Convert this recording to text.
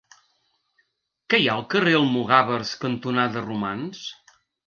Què hi ha al carrer Almogàvers cantonada Romans?